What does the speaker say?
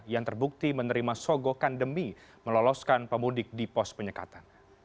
yang terbukti menerima sogokan demi meloloskan pemudik di pos penyekatan